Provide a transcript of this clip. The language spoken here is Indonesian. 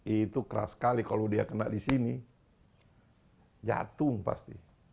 itu keras sekali kalau dia kena di sini jatuh pasti